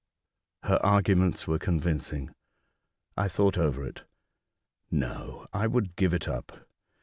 Her arguments were convincing. I thought over it. No, I would give it up.